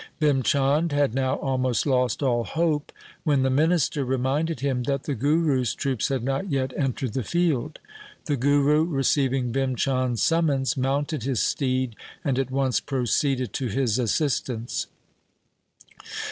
Bhim Chand had now almost lost all hope when the minister reminded him that the Guru's troops had not yet entered the field. The Guru receiving Bhim Chand' s summons, mounted his steed, and at once proceeded to his assistance.